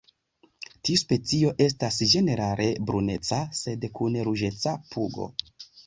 Tiu specio estas ĝenerale bruneca sed kun ruĝeca pugo.